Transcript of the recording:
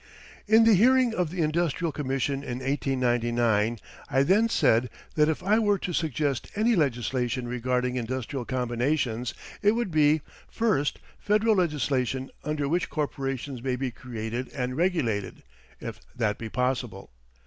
In the hearing of the Industrial Commission in 1899, I then said that if I were to suggest any legislation regarding industrial combinations it would be: First, Federal legislation under which corporations may be created and regulated, if that be possible.